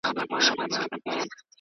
تدريس محدود او مشخص دی.